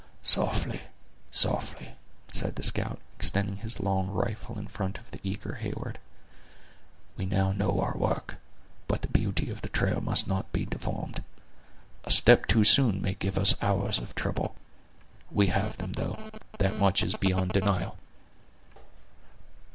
"Softly, softly," said the scout, extending his long rifle in front of the eager Heyward; "we now know our work, but the beauty of the trail must not be deformed. A step too soon may give us hours of trouble. We have them, though; that much is beyond denial."